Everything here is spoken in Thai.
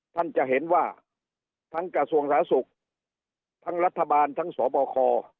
ท่านจะเห็นว่าทั้งกระทรวงสาธารณสุขทั้งรัฐบาลทั้งสบค